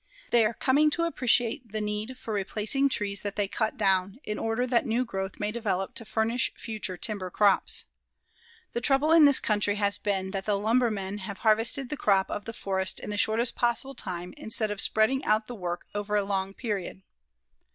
They are coming to appreciate the need for replacing trees that they cut down, in order that new growth may develop to furnish future timber crops. The trouble in this country has been that the lumbermen have harvested the crop of the forests in the shortest possible time instead of spreading out the work over a long period.